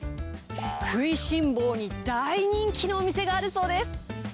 食いしん坊に大人気のお店があるそうです。